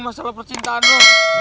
masalah percintaan lo